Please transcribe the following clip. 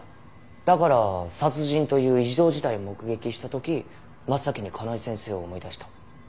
だから殺人という異常事態を目撃した時真っ先に香奈枝先生を思い出した？